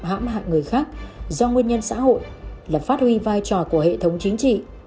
hãm hạc người khác do nguyên nhân xã hội là phát huy vai trò của hệ thống chính trị